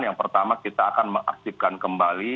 yang pertama kita akan mengaktifkan kembali